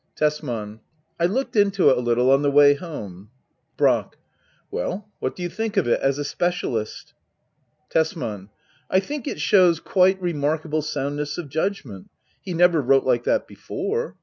Tesman. I looked into it a little on the way home. Brack. Well, what do you think of it — as a specialist ? Tesman. I think it shows quite remarkable soundness of t'udgment. He never wrote like that before.